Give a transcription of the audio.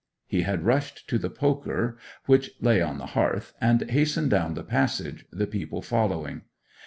He had rushed to the poker which lay on the hearth, and hastened down the passage, the people following.